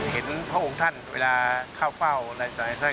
เห็นพระองค์ท่านเวลาเข้าเฝ้าในสรรค์ไฟท์